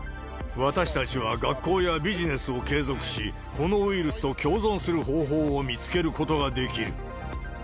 私たちは学校やビジネスを継続し、このウイルスと共存する方法を見つけることができる。